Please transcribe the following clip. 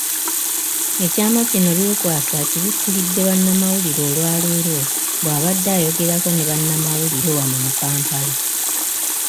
Ekyama kino Byekwaso akibikkulidde bannamawulire olwaleero bw'abadde ayogerako ne bannamawulire wano mu Kampala.